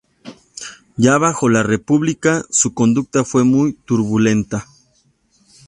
Ya bajo la República su conducta fue muy turbulenta.